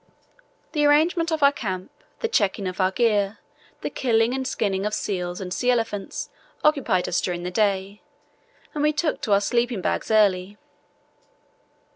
The arrangement of our camp, the checking of our gear, the killing and skinning of seals and sea elephants occupied us during the day, and we took to our sleeping bags early.